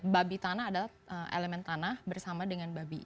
babi tanah adalah elemen tanah bersama dengan babi